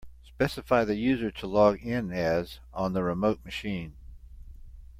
Specify the user to log in as on the remote machine.